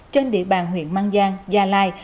trên địa bàn huyện mang giang gia lai